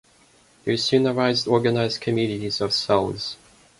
There soon arise organized communities of cells.